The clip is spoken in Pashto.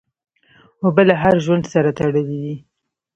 اوبه له هر ژوند سره تړلي دي.